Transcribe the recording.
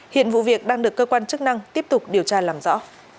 hiện vụ việc đang được cơ quan chức năng tiếp tục điều tra làm rõ